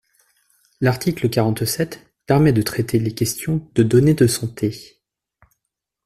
L’article quarante-sept permet de traiter les questions de données de santé.